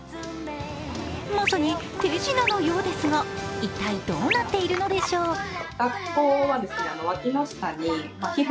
まさに手品のようですが、一体どうなっているのでしょうか。